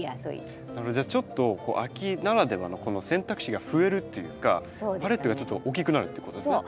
それじゃあちょっと秋ならではのこの選択肢が増えるというかパレットがちょっと大きくなるってことですね。